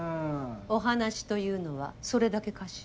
お話というのはそれだけかしら？